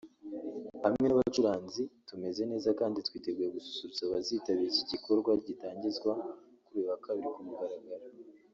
hamwe n’abacuranzi tumeze neza kandi twiteguye gususurutsa abazitabira iki gikorwa gitangizwa kuri uyu wa Kabiri ku mugaragaro